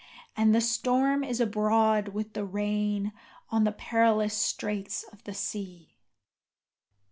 And the storm is abroad with the rain on the perilous straits of the sea."